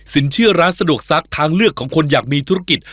เชื่อร้านสะดวกซักทางเลือกของคนอยากมีธุรกิจ